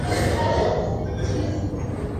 Ni maeneo bora ya kupiga mbizi kwenye kisiwa hicho